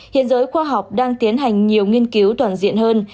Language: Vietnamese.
hiện giới khoa học đang tiến hành nhiều nghiên cứu toàn diện hơn